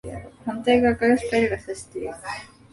反対側から光が射している